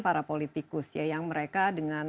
para politikus ya yang mereka dengan